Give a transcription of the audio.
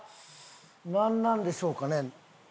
なんなんでしょうかね？